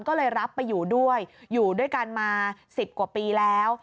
ก็เลยรับไปอยู่ด้วยอยู่ด้วยกันมา๑๐กว่าปีแล้ว